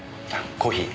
コーヒー。